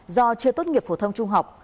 do chưa tốt nghiệp phổ thông trung học